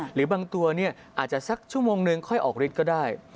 หรือบางตัวอาจจะสักชั่วโมงนึงค่อยออกฤทธิ์ก็ได้